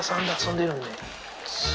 で